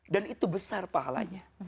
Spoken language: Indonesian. dan itu besar pahalanya